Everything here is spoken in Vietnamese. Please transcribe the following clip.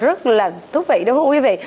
rất là thú vị đúng không quý vị